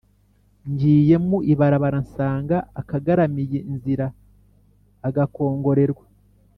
Ngiye mu ibarabara nsanga akagaramiye inzira-Agakongorerwa.